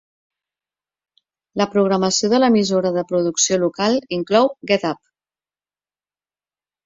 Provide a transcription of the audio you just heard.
La programació de l'emissora de producció local inclou Get Up!